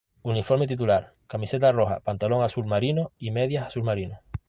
Uniforme titular: Camiseta roja, pantalón azul marino, y medias azul marino.